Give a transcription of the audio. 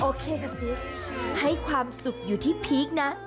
โอเคค่ะซิให้ความสุขอยู่ที่พีคนะ